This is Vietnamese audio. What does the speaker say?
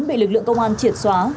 bị lực lượng công an triệt xóa